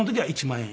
１万円。